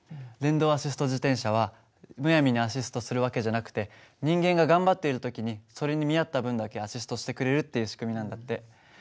電動アシスト自転車はむやみにアシストする訳じゃなくて人間が頑張っている時にそれに見合った分だけアシストしてくれるっていう仕組みなんだって。